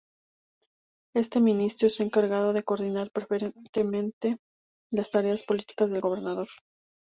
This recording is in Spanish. Este ministerio está encargado de coordinar preferentemente las tareas políticas del gobierno.